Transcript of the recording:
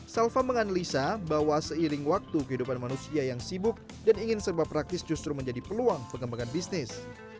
salva menganalisa bahwa seiring waktu kehidupan manusia yang sibuk dan ingin serba praktis justru menjadi peluang pengembangan bisnis